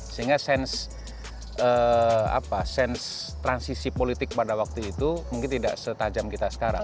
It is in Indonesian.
sehingga sense transisi politik pada waktu itu mungkin tidak setajam kita sekarang